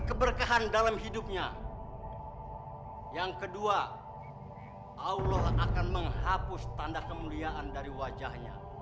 tiga di saat ketika menghadapi allah